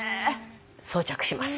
装着します。